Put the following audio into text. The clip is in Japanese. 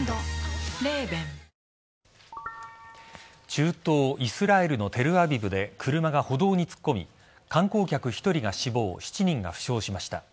中東・イスラエルのテルアビブで車が歩道に突っ込み観光客１人が死亡７人が負傷しました。